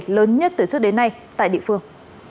lớn nhất từ trước đến nay tại địa phương